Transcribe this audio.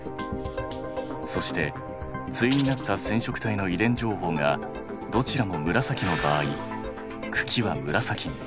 そして対になった染色体の遺伝情報がどちらも紫の場合茎は紫に。